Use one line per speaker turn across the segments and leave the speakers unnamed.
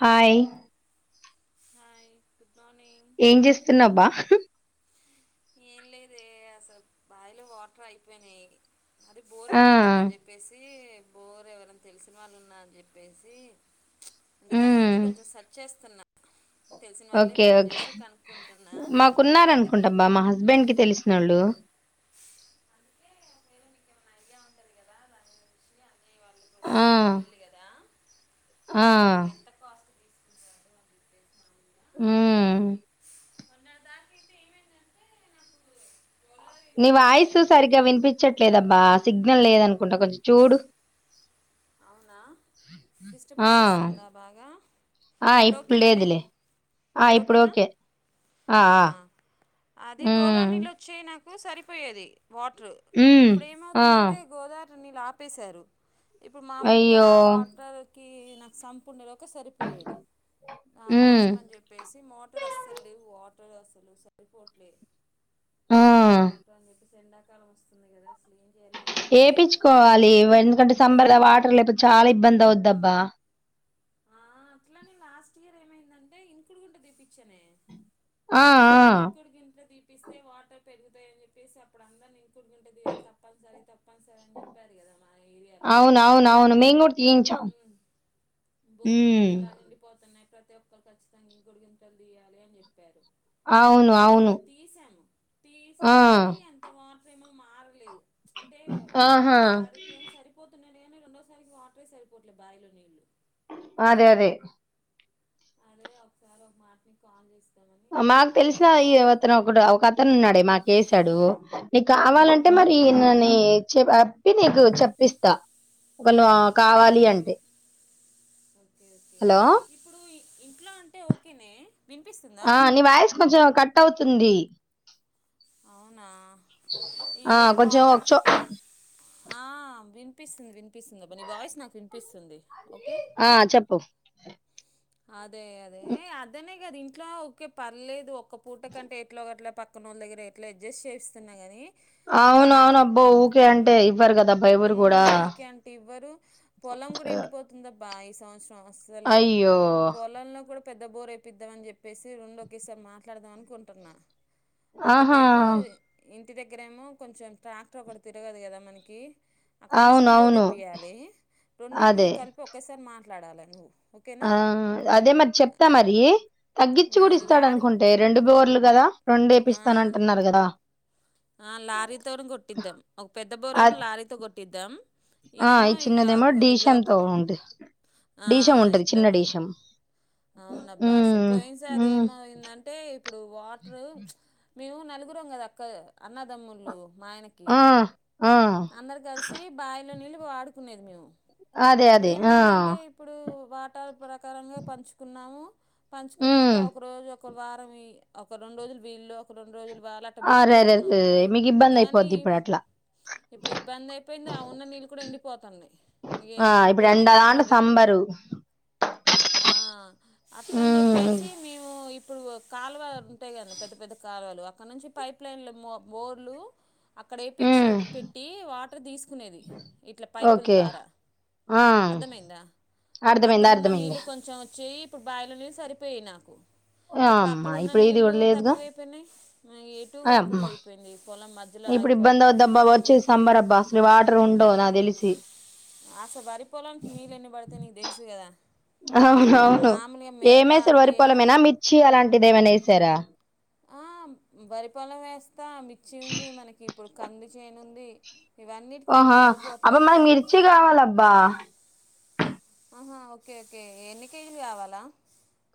Hi
night కాని
ఏం చేస్తున్నాబా
ఏం లేదు ఏ అసలు బావిలో వాటర్ అయిపోయినాయి అది
ఆ!
బోరేపిద్దాం అని చెప్పేసి బోరు ఎవరనా తెలిసిన వాళ్ళు ఉన్నా అని చెప్పేసి అంటే దాని గురించి
హ్మ్.
కొంచెం సెర్చ్ చేస్తున్నా తెలిసిన వాళ్ళే
ఓకే
ఫోన్
ఓకే
చేసి కనుక్కుంటున్నా అందుకే
మాకున్నారనుకుంటాబ్బా మా హస్బెండ్ కి తెలిసిన వాళ్ళు
అడిగే ఉంటుంది కదా దాని గురించి అన్నయ్య వాళ్ళు కూడా
ఆ
ఇదే ఫీల్డ్ కదా
ఆ
అసలు ఎంత కాస్ట్ తీసుకుంటారు అని చెప్పేసి
ఉ
మన్నార దాకా అయితే ఏమైందంటే నాకు
నీ వాయిసు సరిగ్గా వినిపించట్లేదబ్బా సిగ్నల్ లేదనుకుంటా కొంచెం చూడు
అవునా
ఆ!
డిస్టర్బెన్స్ వస్తుందా బాగా
ఆ!
ఇప్పుడు ఓకేనానే
లేదులే. ఆ!
ఇప్పుడు ఓకేనా
ఓకే. ఆ! ఆ!
అహా అది
హ్మ్.
గోదారి నీళ్ళు వచ్చే నాకు ఉ సరిపోయేది వాటర్
హ్మ్.
ఇప్పుడు
ఆ!
ఏమవుతుందంటే గోదారి నీళ్ళుఆపేశారు ఇప్పుడు మామూలుగా
అయ్యో!
వాటర్ కే నాసపూర్ణ లో ఒక్క సరిపోయేది
హ్మ్.
దానికోసం అని చెప్పేసి మోటార్ వస్తాది లేదో వాటర్ అసలు సరి పోవట్లేదు
ఆ!
హలో ఎండాకాలం వస్తుంది కదా అసలు చేయాలి ఏం అర్థం కావట్లే
ఏపించుకోవాలి వల్ ఎందుకంటే సమ్మర్ లో వాటర్ లేకపోతే చాలా ఇబ్బంది అవది అబ్బా
ఆ అట్లానే లాస్ట్ ఇయర్ ఏమైందంటే ఇంకుండుట తిపిచ్చనే.
ఆ! ఆ!
ఇంకోటి గింట్లో ది పిస్తే వాటర్ పెరుగుతాయ్ అని చెప్పేసి అప్పుడు అందార్న్ని కూల్ గుండ తియ్యాలి తప్పనిసరి తప్పనిసరి అని చెప్పారు కదా మా ఏరియాలో
అవునవునవును మేము కూడా తీయించాం
ఉ బోర్ గబ్బ
ఉమ్
జల నిండిపోతన్ ఉన్నాయి ప్రతి ఒక్కరు ఖచ్చితంగా గుడిగింతలు తీయాలి అని చెప్పి
అవును
అయితే
అవును
అట్లా తీసాము
ఆ
తీసాము కాని అంత వాటర్ ఏమీ మారలేదు అంటే
ఆహా
ఒక్కసారికి ఏం సరిపోతు నేనే రెండోసారికి వాటరే సరిపోట్లే బాయిలో నీళ్ళు
అదే అదే
అదే ఒకసారి ఒక మాటని కాల్ చేస్
మాకు తెలిసిన ఈ అతను ఒకడు ఒక అతను ఉన్నాడే మాకు వేశాడు నీక్ కావాలంటే మరి
ఓకే
ఎన్నో అన్ని ఎచ్చుకో నీకు చెప్పిస్తా ఒక వేళ కావాలి
ఓకే
అంటే
ఓకే ఓకే
హలో
ఇప్పుడు ఇ ఎట్లా అంటే ఓకేనే వినిపిస్తుందా
తుంది
అవునా
ఆ
ఇదే
కొంచం
వాటర్
వచ్చూ
ఆ వినిపిస్తుంది వినిపిస్తుందిబ్బ నీ వాయిస్ నాకు వినిపిస్తుంది
ఆ చెప్పు
అద్ అదే అదే అదనేే గద ఇం ఇట్లా ఒకే పర్లేదు ఒ ఒక పూట కంటే ఎట్లోగట్ల పక్కన వాళ్ళ దగ్గర ఎట్లా అడ్జస్ట్ చేయిస్తున్నా గాని బా
అవును అవును అబ్బో ఊకే అంటే ఇవ్వరు కదబ్బా
ఊ
ఎవరు కూడా
ఊకే అంటే ఇవ్వరు పొలం కూడా ఎండిపోతుంది బాయసౌస్ అస్సలు
అయ్యో
పొలంలో కూడా పెద్ద బోర్ వేపిధాం అని చెప్పేసి రొండు ఒకే సారి మాట్లాడుదాం అనుకుంటున్నా
ఆహా
ఒకటేమో ఇ ఇంటి దగ్గర ఏమో కొంచెం ట్రాక్టర్ ఒక తిరగదు కదా మనకి అక్కడ ఏమొ చిన్న బోరి
అవునవును
వేపియాలి రెండింటి
అదే
కలిపి ఒకేసారి మా ట్లాడలే నువ్ ఓకేనా
ఆ అదే మరి చెప్తా మరి తగ్గించి
ఆ,
కూడా ఇస్తాడు
లారీ
అనుకుంటే రెండు బోర్లు కదా
ఆ,
ఇండేపిస్తానంటున్నారు కదా
ఆ లారీతోని కొట్టిద్దాం ఒక పెద్ద బోరు
అ
ఏమో లారీతో కొట్టిద్దాం
ఆ
ఇదేమో
ఇ
ఇగ
చిన్నదేమో డిషం
లోప్
తో ఉంటంది
ఆ!
డీషం ఉంటది
ఇట్లా
చిన్న
రెండు
డీషం
అవునబ్బా అసలు
ఉమ్
పోయిన సారి
ఉమ్
ఏమయిందంటే ఇప్పుడు వాటర్ ప్చ్ మేము నలుగురం కదా అక్క అన్నదమ్ముళ్లు మాయనకి
ఆ ఆ
అందరు కలిసి బావిలో నీళ్ళు వాడుకునేది మేము
అదే అదే ఆ
ఏమైందంటే ఇప్పుడు వాటర్ ప్రక్ కరంగా పంచుకున్నాము పంచుకున్నాక
ఉమ్
ఒకరోజ్ ఒక ఒక వారం ఈ ఒక రెండు రోజులు వీల్లు ఒక రెండు రోజులు వాళ్ళు అట్లా
ఆరేరేే
పెట్టుకుంటున్నాం
మీకు ఇబ్బంది
కానీ
అయిపోద్ది ఇప్పుడు అట్లా
ఇప్పుడు ఇబ్బంది అయిపోయింది ఆ ఉన్న నీళ్ళు కూడా ఎండిపోతండయ్ ఇక
ఆ ఇప్పుడు ఎండ
ఎండిపోయినంక
దాంట్లో
మరి
సంబరు
ఆ అట్టని
ఉమ్
చెప్పేసి మేము ఇప్పుడు కాలువలు ఉంటాయి కదా పెద్ద పెద్ద కాలువలు అక్కడ నుంచి పైప్ లైన్లు ప బోర్లు అక్కడ వేపిచ్చే
ఉమ్
పెట్టి వాటర్ తీసుకునేది ఇట్లా పైపుల్
ఓకే
ద్వారా
ఆ
అర్థమైందా అక్కడ
అర్థమైంది
ఉన్న
అర్థమైంది
నీళ్ళు కొంచెం వచ్చే ఇప్పుడు బాయిలో నీళ్ళు సరిపోయి నాకు
ఆ,
ఇప్పుడు
అమ్మా
అక్కడున్న
ఇప్పుడు ఇది
నీళ్లు
కూడా లేదుగా
తక్కువైపోయినయి ఎటు
అయమ్మా
కాకుండా అయిపోయింది పొలం మధ్యలో ఆగిపోతుంది
సంబరబ్బా అసలు వాటర్ ఉండవ్ నాక్ తెలిసి
ఆసా బారి ఇప్పుడు
అవునవును
మామూలుగా మిరప
ఏమేసారు
అంటే ఏమన్నా
వరిపొలమైనా మిర్చి అలాంటిది ఏమైనేసారా
ఆ వరిపొలం వేస్ స్తాం మిర్చ్చి ఉంది మనకి ఇప్పుడు కంది చేనుంది.
ఓహా అబ్బ మాకీ మిర్చి కావాలబ్బా
ఆహా ఓకే ఓకే ఎన్ని కేజీలు కావాలా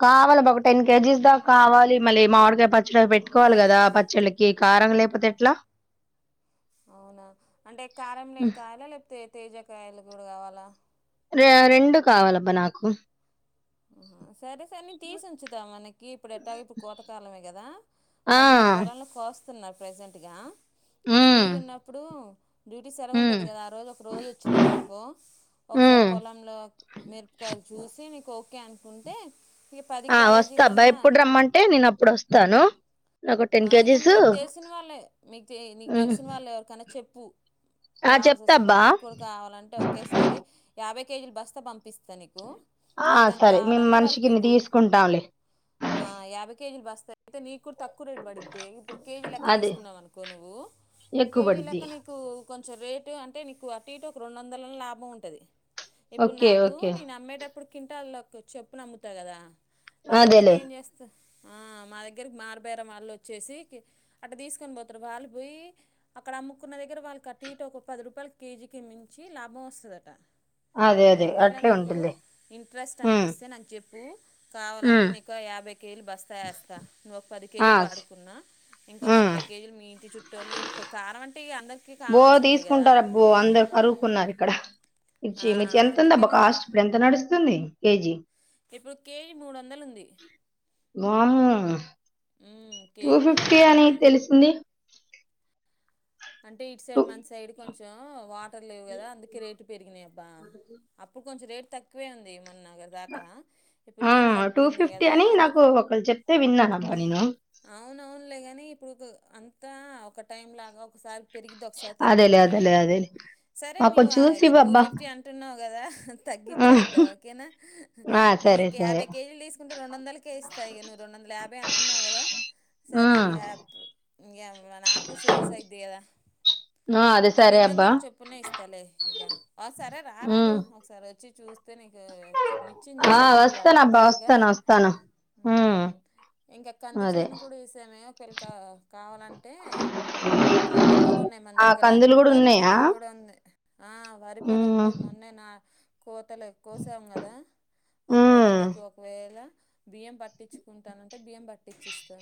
కావాలద ఒక టెన్ కేజీస్ దాకా కావాలి మళ్ళీ మామిడికాయ పచ్చడి అవి పెట్టుకోవాలి కదా పచ్చళ్ళకి కారం లేకపోతే ఎట్లా
అవునా అంటే కారం లేని
ఉమ్.
కాయలా లేకపోతే తేజ కాయలు కూడా కావా లా
రె రెండు కావాలబ్బా నాకు
ఉనా సరే సరే నేను తీసి ఉంచుతా మనకి ఇప్పుడు ఎట్లాగ ఇప్పుడు కోతకాలమే కదా
ఆ
వాళ్ళు మన పొలంలో కోస్తా స్తున్నారు ప్రజెంట్ గా నువ్వు ఫ్రీ
ఉమ్,
గున్నప్పుడు డ్యూటీ సెలవు
ఉమ్,
ఉంటుంది కదా ఆ రోజు ఒక రోజు వచ్చినావనుకో ఒకసారి
ఉమ్.
పొలంలో మెరపకాయలు చూసి నీకు ఓ ఓకే అనుకుంటే ఇక పది
ఆ వస్తా అబ్బా
కేజీలన్నా
ఎప్పుడు రమ్మంటే నేను అప్పుడు వస్తాను. ఒక టెన్
ఆ ఇగ
కేజీస్
మీకు తెలిసిన వాళ్ళే మీకు నీకు తెలిసిన వాళ్ళే ఎవరికైన్నా చెప్పు
ఆ
కావాల్సి
చెప్తా
వస్తే
అబ్బా
వాళ్ళకి కూడా కావాలంటే ఒకేసారి యాభై కేజిల్ బస్త పంప్ పిస్త నీకు
ఆ
ఎవరికన్న
సరే మేము
కావాలన్న
మనిషికి
వాళ్ళకి
ఇన్ని
ఇవ్వు
తీసుకుంటాంలే
ఆ యాబై కేజీల్ బస్త అయితే నీక్కూడ తక్ తక్కువ రేట్ పడిద్ది ఇప్పుడు కేజీ లెక్క
అదే
తీసుకున్నాం అనుకో నువ్వు
ఎక్కువ
కేజీ
పడిద్ది
లెక్క నీకూ కొంచెం రేటు అంటే నీకు అటు ఇటు ఒక రెండు వందల్లో లాభం ఉంటది ఇప్పుడు
ఓకే
నాకు
ఓకే
నేను అమ్మేటప్ ప్పుడు కింటలోక్ చెప్పునమ్ముతా కదా రైతులు
అదేలే
ఏం చేస్త ఆ మా దగ్గరకి మార్పు బేర మళ్ళోచ్చేసి అట్ట తీసుకొని పోతారు వాళ్ళు పోయి అక్కడ అమ్ముకున్న దగ్గర వాళ్ళ అటు ఇటు ఒక పది రూపాయలు కేజీకి మించి లాభం వస్తదట
అదే అదే
ఒకవేళ
అట్లే
నీకు
ఉంటుందిలే
ఇంట్రెస్ట్
ఉమ్,
అనిపిస్తే నాకు చెప్ నువ్వు కావాలంటే
ఉమ్,
నీకు యాభై కేళ్లు బస్తా ఏస్తా పది
ఆ,
కేజీలు
స-
వాడుకున్నా ఇంకో
ఉమ్.
నలభై కేజీలు మీ ఇంటి చుట్టూలు ఇప్పుడు కారం అంటే ఇ అందరికి
బో
కావాల్సిందే కదా
తీసుకుంటారు
ఆ,
ఇచ్చేయి
అందుకే
ఎంతుందబ్బా
నువ్వు
కాస్ట్ ఇప్పుడు ఎంత నడుస్తుంది కేజీ
ఇప్పుడు కేజీ మూడొంద్
వా ఆ
ఉమ్,
టూ
కేజీ మూడు
ఫిఫ్టీ
వందలు
అని
ఉంది
తెలిసింది
అంటే ఇటు
టూ
సైడ్ మన సైడ్ కొంచెం వా టర్ లేవు కదా అందుకే రేట్ పెరిగినయి అబ్బా అప్పుడు కొంచం రేట్ తక్కువే ఉంది. మొన్న దాకా ఇప్పుడు నీల్
టూ
తగ్గింది
ఫిఫ్టీ
కదా
అని
అందుక్
నాకు ఒకరు చెప్తే విన్నానబ్బా నేను
అవునవునులే కాని టు కు అంతా ఒక టైం లాగా సారి పెరిగిద్ది ఒకసారి
అదేలే
తగ్గిద్ది
అదేలే అదేలే
సరే
మాకు
నువ్వు
కొంచెం చూసి
ఇగ
ఇవ్వు
టూ
అబ్బా
ఫిఫ్టీ అంటున్నావు కదా
ఆ,
తగ్గచ్చేద్దాం ఓకేనా
ఆ,
నువ్వు
సరే
ఇంకా
సరే
యాభై కేజీలు తీసుకుంటే రెండు వందలకే ఇస్తా ఇగ నువ్వు రెండు వందల యాభై అంటున్నావు కదా సరే ఇగ
ఉమ్.
ఇంకెవ నాకు సేల్స్ అయి
ఆ అదే
నీకు
సరే
రెండు
అబ్బా
వందలు చొప్పునే ఇస్తలే ఇగ ఆ సరే రారదు
ఉమ్
ఒకసారి వచ్చి చూస్ క నీకు మిర్చిని
ఆ
చూసి
వస్తాను
మాట్లాడితే
అబ్బా
ఇగ
వస్తాను వస్తాను ఉమ్
మ్ ఇంకా కంది
అదే
చేను కూడా చేసామే పిళకా కావాలంటే కందులు కూడా ఉన్నాయి మన
ఆ
దగ్గర
కందులు కూడా
వరి
ఉన్నాయా
పొలం కూడా ఉంది ఆ వరి పొలంలో
ఉమ్
మొన్నే నా కోతలే కోసాం కదా ఒకవేళ
ఉమ్.
నీకు ఒకవేళ బియ్యం పట్టిచ్చుకుంటానంటే బియ్యం పట్టిచ్చిస్తా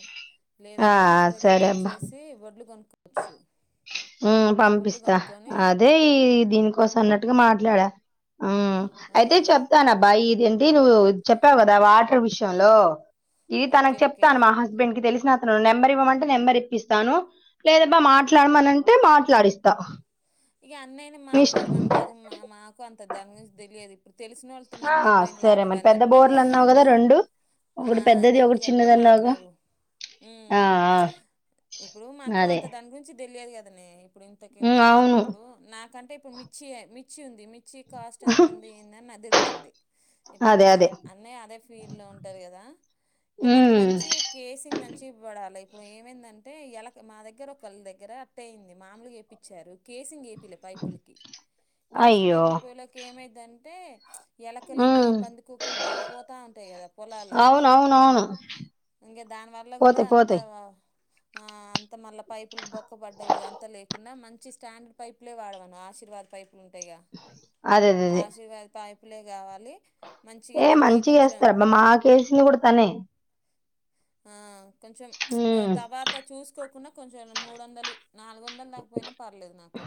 ఆ
లేదంటే మన దగ్గర్కోచ్చేసి వడ్లు కొనుకో
హ్మ్ పంపిస్తా
కొనుక్కొని
అదే ఈ దీనికోసం అన్నట్టుగా మాట్ ట్లాడా ఆ అయితే
ఆహా
చెప్తను అబ్బా ఈ ఇదిన్ దీ నువ్వు చెప్పావు కదా వాటర్ విషాంలో ఇది
ఓకే
తనక్
ఓకే
చెప్తాను. మా హస్బెండ్కి తెలిసినక్ నెంబర్ ఇవ్వమంటే నెంబర్ ఇప్పిస్తాను. లేదబ్బా మాట్లాడ్మనంటే మాట్లాడిస్తా.
ఇగ అన్నయ్యని
మీ ఇష్టం
మాట్లాడమన రాదు. మా మాకు అంత దాని గురించి తెలియదు. తెలిసినోళ్ళతో మట్టి
ఆ
కి పోయిన
సరే
లాభమే
మరి పెద్ద
అన్నట్టు.
బోర్లు అన్నావు కదా రెండు
ఆ
ఒకటి పెద్దది
రెండు
ఒకటి
కలిపి
చిన్నది అన్నావుగా
మాట్లాడు.
ఆ
మ్మ్
ఆ
ఇప్పుడు మాకు
అదే
అంత దాని గురించి. తెలియద్ గదానే ఇప్డు ఇంతకింత
ఉమ్
అని చెప్
అవును
ఇప్పుడూ నాకంటే ఇ ప్ మిర్చియే మిర్చి ఉంది మి ర్చి కాస్ట్ ఎంత ఉంది. ఏంది అని నాక్ తెల్తంది. ఇప్పుడు
అదే
మీ
అదే
అన్నయ్య అదే ఫీల్డులో ఉంటారు కదా. ఉప్ మనకి
ఉమ్
మంచి కేసింగ్ చ్చిపడలా ఇప్పుడు ఏమైందంటే ఎలాక్ మా దగ్గర ఒకళ్ళ దగ్గర అట్ట అయింది. మామలుగా ఎపీచ్చారు. కేసింగే పియ్లే పైపులుకి. కేసింగ్
అయ్యో
ఎపిపోయలోకే ఏమై దంటే. ప్చ్ ఎలకలు ఇవి
ఉమ్
పందికొకులు బాగా పోత ఉంటాయి కదా. పొలాలల్లో
అవును అవును అవును
ఇంగా దానివల్ల కూడా
పోతాయి
అంత
పోతాయి
అంతా మళ్ళా పైపులు బొక్క పడ్డయి. విధాంతా లేక్ కున్న మంచి స్టాండ్ర్డ్ పైప్లే వాడవన్న ఆశీర్వాద్ పైప్ ఉంటాయిగా
అదే అదే అదే
ఆశీర్వాద్ పైప్ ప్పులే గావాలి
ఏ మంచిగా వేస్తారబ్బా. మాకేసింది కూడా తనే
ఆహ్ కొంచెం ప్చ్
ఉమ్
తవాత చూసుకోకున్న కొంచెంల మూడోందలు నాలుగు వందలు దాకపోయినా పర్లేదు నాకు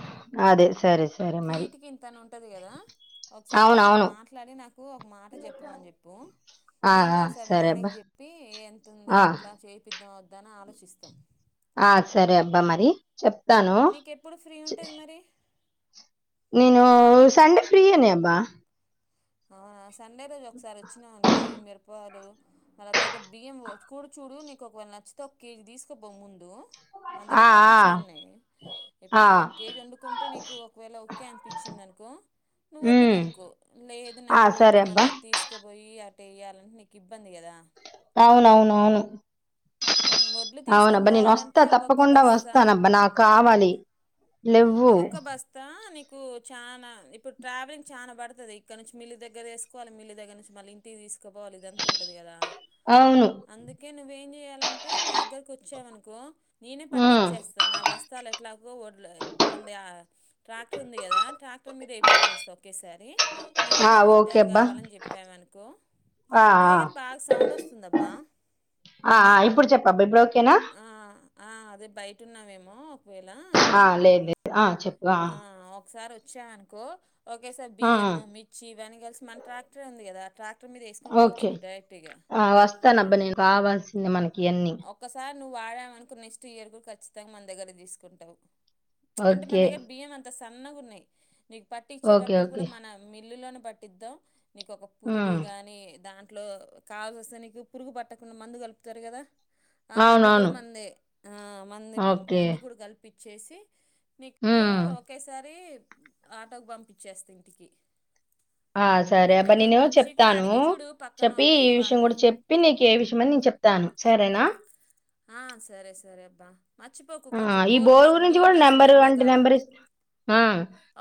అదే సరే సరే మరి
ఫీట్కి ఇంతనా ఉంటది కదా. ఒకసారి
అవును
వాళ్ళతో
అవును
మాట్లాడి నాకు ఒక మాట చెప్పమని చెప్పు.
ఆ
నేను
ఆ
గూడా ఒకసారి మా
సరే
ఆయనకి
అబ్బా
చెప్పి ఎంత్ నీ
ఆ
ఎట్లా చేపిత్ ఇదామా వద్దాని ఆలోచిస్తాం.
ఆహ్ సరే అబ్బా మరి చెప్తాను
నీకెప్పుడు ఫ్రీ ఉంటది మరి
నేను సండే ఫ్రీయనే అబ్బా
ఆహ్ సరే సండే రోజు ఒకసారి వచ్చినావు అనుకో ఈ మిరపకాయలు మరి తరువాత బియ్యం కూడు చూడు నీకు ఒకవేళ నచ్చితే ఒక కేజీ తీసుకోపో ముందు మాన
ఆ
దగ్గర పట్టించినవి ఉన్నాయి ఇప్పుడు
ఆ ఆ
నువ్వు ఒక కేజీ వండుకుంటే నీకు ఒకవేళ ఒకే అనిపించింది అనుకో నువ్వు వడ్లు
ఉమ్
కొనుకో లేదు
ఆ
నాకు
సరే
ఒడ్లు
అబ్బా
మళ్ళా తీసుకపోయి ఇవి అటేయ్యాలంటే నీకు ఇబ్బంది కదా
అవునవున అవును
ఉమ్, వడ్లు తీసుకొని
అవునబ్బా నేను వస్తా
పోవాలంటే ఒక్కొక్క
తప్పకుండా
బస్తా
వస్తాను అబ్బా నాకు కావాలి లేవ్
ఒక్కొక్క బస్తా ఆహ్ నీకు చాలా ఇప్పుడు ట్రావెలింగ్ చానా పడుతది ఇక్కడ నుంచి మిల్లు దగ్గర వేసుకోవాలి మిల్లు దగ్గర నుంచి మళ్ళీ ఇంటికి తీసుకుపోవాలి ఇదంత ఉంటుంది కదా ఆహ్
అవును
అందుకే నువ్వేం జెయి చేయాలంటే నా దగ్గరకు వచ్చావనుకో నేనే
ఉమ్,
పట్టించేస్తా నా వస్తాల ఎట్లాగో వడ్లవి మంది ట్రాక్టర్ ఉంది కదా ట్రాక్టర్ మీద వేప్పిచ్చేస్తా ఒకేసారి నీకి
ఆ
ఇన్ని
ఓకే
క్వింటాల్
అబ్బా
కావాలని చెప్పవనుకో
ఆ
నీ
ఆ,
దగ్గర బాగా సౌండ్ వస్తుందబ్బా
ఆ, ఆ, ఇప్పుడు చెప్పబ్బా ఇప్పుడు ఓకేనా
ఆహ్ అదే ఆహ్ బయటున్నావేమో ఒకవేళ
ఆహ్ చెప్పుగా
ఆ, ఒకసారి వచ్చాయినుకో ఓే సార్
ఆ, ఆ,
బియ్యముిర్చివన్నీ కలిసి మన ట్రాక్టర్ ఉంది కదా ట్రాక్
ఓకే ఆ వస్తాన అబ్బా నేను కావాల్సింది మనకి ఎన్ని
ఒక్కసారి నువ్వు వాడామనుకో నెక్స్ట్ ఇయర్ కూడా ఖచ్చితంగా మన దగ్గర తీసుకుంటావు అంటే మన
ఓకే
దగ్గర బియ్యంత సన్నగున్నాయి నీకు పట్టి
ఓకే
ఇచ్చేటప్పుడు కూడా
ఓకే
మన ఇల్లులో పట్టిద్దాం నీక ఒక పురుగు
ఉమ్,
గాని దా ఇట్లో కావాల్సి వస్తే నీకు పురుగు పట్టకుండా మందు కలుపుతారు కదా ఆ మందు కూడా
అవునవును
మందే ఆ మంది
ఓకే
మందు కూడా కలిపి పిచ్చేసి నీకు
ఉమ్,
ఒకేసారి ఆటోకు పంపిచ్చేస్తా ఇంటికి
ఆ సరే అబ్బ
ఓకేనా
నేనే
మిర్చి కూడా
చెప్తాను
అడిగి చూడు పక్కన
చెప్పి
వాళ్ళని
ఈ విషయం కూడా
వాళ్ళని
చెప్పి నీకు ఏ విషయం అని నేను చెప్తాను సరేనా
ఆ సరే సరే అబ్బా మర్చిపోకు
ఆ
కొంచెం
ఈ
బోర్
బోరు
విషయం
గురించి కూడా
నీళ్ళు అసలు
నెంబర్ అంటే
ఎండాకాలం
నెంబర్ ఇస్తా ఆ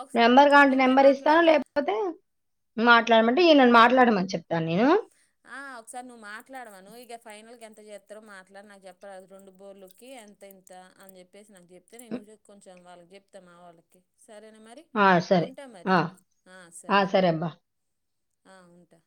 ఒకస
నెంబర్ కాంటే
నువ్వే
నెంబర్ ఇస్తా
మాట్లాడలే
లేకపోతే మాట్లాడమంటే అ ఈనన్ని నన్ను మాట్లాడమని చెప్తాను నేను
ఆ ఒకసారి నువ్వు మాట్లాడ మను ఇక ఫైనల్ కీ ఎంత చేస్తారో మాట్లాడి నాకు చెప్పరాదు రెండు బోర్లకి ఎంత ఇంత అని చెప్పేసి నాకు చెప్తే నేను కొంచెం వాళ్ళకి చెప్తామా వాళ్ళకి సరేనా మరి
ఆ సరే
ఉంటా మరి
ఆ
ఆ సరే ఆ ఉంటా